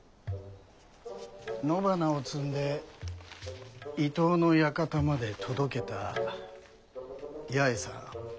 野花を摘んで伊東の館まで届けた八重さん。